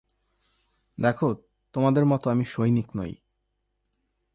দেখ, তোমাদের মত আমি সৈনিক নই।